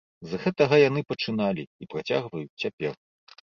З гэтага яны пачыналі, і працягваюць цяпер.